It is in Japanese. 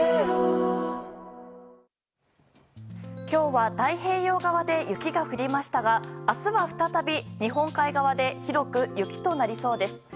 今日は太平洋側で雪が降りましたが明日は再び日本海側で広く雪となりそうです。